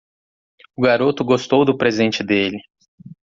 O garoto gostou do presente dele.